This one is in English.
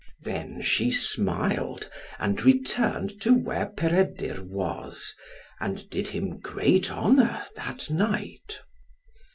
Then she smiled, and returned to where Peredur was, and did him great honour that night.